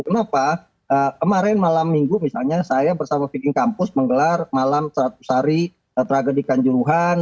kenapa kemarin malam minggu misalnya saya bersama viking kampus menggelar malam seratus hari tragedi kanjuruhan